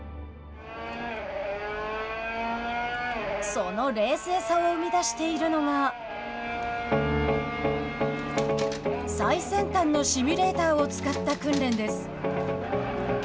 その冷静さを生み出しているのが最先端のシミュレーターを使った訓練です。